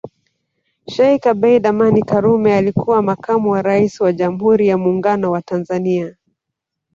Sheikh Abeid Amani Karume alikuwa Makamu wa Rais wa Jamhuri ya Muungano wa Tanzania